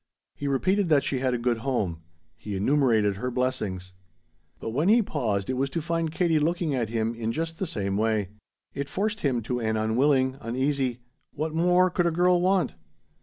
He repeated that she had a good home. He enumerated her blessings. But when he paused it was to find Katie looking at him in just the same way. It forced him to an unwilling, uneasy: "What more could a girl want?"